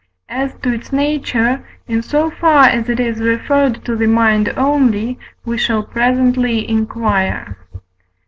As to its nature, in so far as it is referred to the mind only, we shall presently inquire.